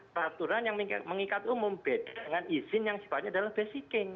paturan yang mengikat umum dengan izin yang sifatnya adalah basicing